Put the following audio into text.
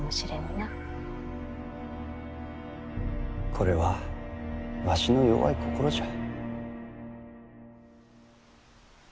これはわしの弱い心じゃ。